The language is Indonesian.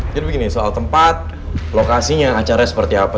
jadi begini soal tempat lokasinya acaranya seperti apa